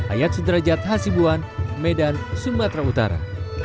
ayat sudrajat hasibuan medan sumatera utara